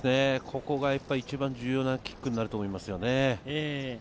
ここが一番重要なキックになると思いますよね。